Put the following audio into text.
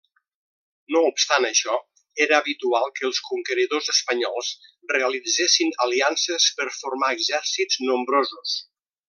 No obstant això, era habitual que els conqueridors espanyols realitzessin aliances per formar exèrcits nombrosos.